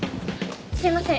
すいません。